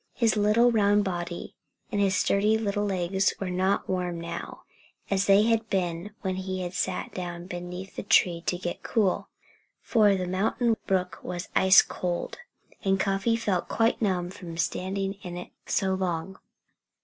His little round body and his sturdy little legs were not warm now, as they had been when he sat down beneath the tree to get cool. For the mountain brook was ice cold; and Cuffy felt quite numb from standing in it so long.